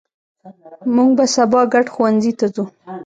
مونږ به سبا ګډ ښوونځي ته ځو